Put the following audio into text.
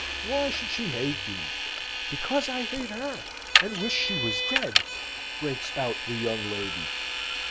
"Why should she hate you?" "Because I hate her, and wish she was dead!" breaks out the young lady.